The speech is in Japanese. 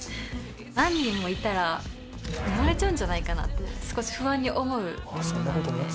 何人もいたら埋もれちゃうんじゃないかなって少し不安に思う時とかあって。